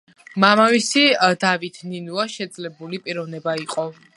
მამამისი, დავით ნინუა, შეძლებული პიროვნება იყო.